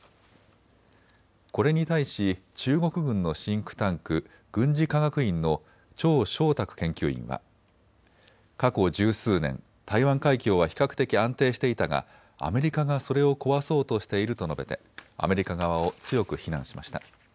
これに対し中国軍のシンクタンク、軍事科学院の趙小卓研究員は過去十数年、台湾海峡は比較的安定していたがアメリカがそれを壊そうとしていると述べてアメリカ側を強く非難しました。